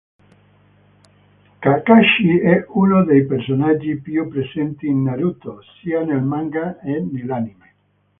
Kakashi è uno dei personaggi più presenti in Naruto, sia nel manga e nell'anime.